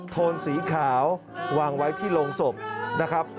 โทนสีขาววางไว้ที่โรงศพนะครับ